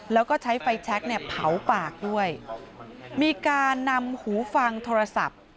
แล้วก็ใช้ไฟแชคเนี่ยเผาปากด้วยมีการนำหูฟังโทรศัพท์